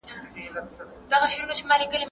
د پيغور ورکولو دود بايد ختم سي.